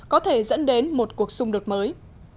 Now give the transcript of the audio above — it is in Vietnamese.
có thể dẫn đến một cuộc xung đột mới